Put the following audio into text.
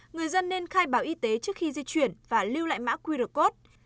người dân nên khai báo y tế trước khi di chuyển và lưu lại mã qr code